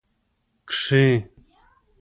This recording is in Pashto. کښې